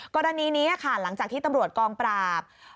กรณีนี้ค่ะหลังจากที่ตำรวจกองปราบ